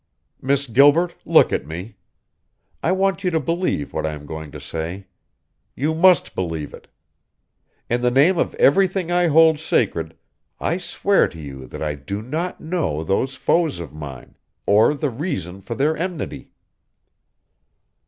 "Miss Gilbert, look at me! I want you to believe what I am going to say. You must believe it! In the name of everything I hold sacred, I swear to you that I do not know these foes of mine, or the reason for their enmity!"